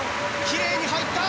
きれいに入った！